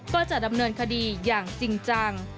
ก็จะดำเนินคดีอย่างจริงจัง